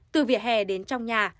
từ vỉa hè đến trong nhà